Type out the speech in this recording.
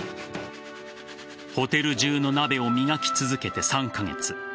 ホテル中の鍋を磨き続けて３カ月。